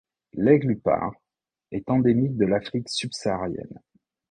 L'aigle Huppard est endémique de l'Afrique subsaharienne.